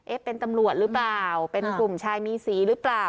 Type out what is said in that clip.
เป็นตำรวจหรือเปล่าเป็นกลุ่มชายมีสีหรือเปล่า